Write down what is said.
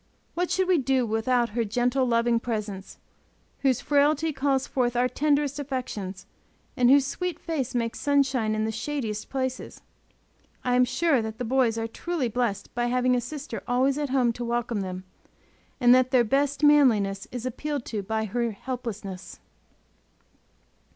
What should we do without her gentle, loving presence, whose frailty calls forth our tenderest affections and whose sweet face makes sunshine in the shadiest places! I am sure that the boys are truly blessed by having a sister always at home to welcome them, and that their best manliness is appealed to by her helplessness.